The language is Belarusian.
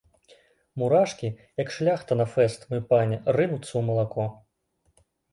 Мурашкі, як шляхта на фэст, мой пане, рынуцца ў малако.